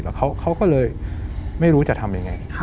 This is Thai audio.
แล้วเขาก็เลยไม่รู้จะทำยังไง